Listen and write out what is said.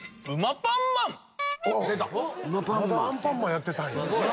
まだアンパンマンやってたんや。